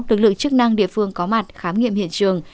lực lượng chức năng địa phương có mặt khám nghiệm hiện trường